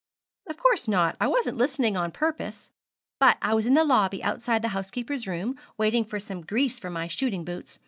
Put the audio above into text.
'Of course not. I wasn't listening on purpose; but I was in the lobby outside the housekeeper's room, waiting for some grease for my shooting boots.